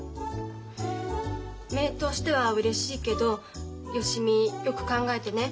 姪としてはうれしいけど芳美よく考えてね。